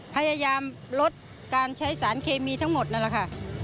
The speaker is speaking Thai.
พยายามลดการใช้สารเคมีทั้งหมดนั่นแหละค่ะ